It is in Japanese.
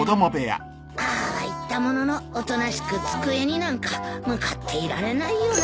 ああは言ったもののおとなしく机になんか向かっていられないよな。